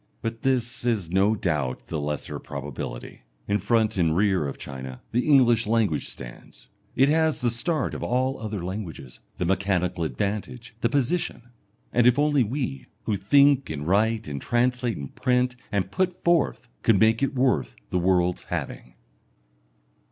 But this is no doubt the lesser probability. In front and rear of China the English language stands. It has the start of all other languages the mechanical advantage the position. And if only we, who think and write and translate and print and put forth, could make it worth the world's having!